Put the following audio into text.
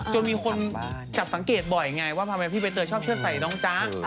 จนมีคนจับสังเกตบ่อยไงว่าทำไมพี่ใบเตยชอบเชื่อดใส่น้องจ๊ะ